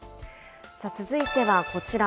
続いてはこちら。